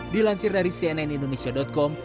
dilansir dari cnn indonesia com